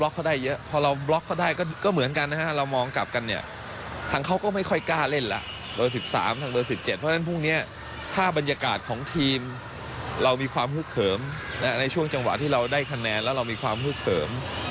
และในช่วงจังหวะที่เราได้คะแนนแล้วเรามีความฮึกเติม